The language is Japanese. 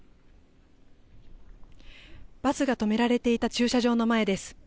バスが停められていた駐車場の前です。